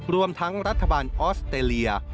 รวมทั้งรัฐบาลออสเตรเลีย